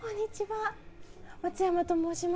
松山と申します。